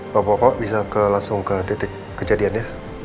pak bapak pak bisa ke langsung titik kejadiannya